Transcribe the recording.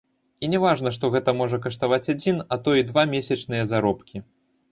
І не важна, што гэта можа каштаваць адзін, а то і два месячныя заробкі.